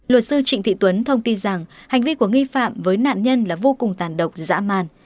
luật sư trịnh thị tuấn thông tin rằng hành vi của nghi phạm với nạn nhân là vô cùng tàn độc dã man